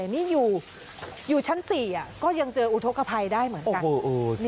นี่อยู่ชั้น๔ก็ยังเจออุทธกภัยได้เหมือนกัน